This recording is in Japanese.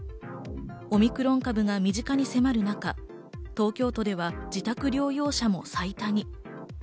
オミクロン株が身近に迫る中、東京都では自宅療養者も最多に。